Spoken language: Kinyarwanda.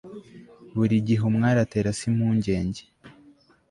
buri gihe umwari atera se impungenge